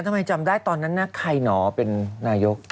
ทำไมจำได้ตอนนั้นนะใครหนอเป็นนายก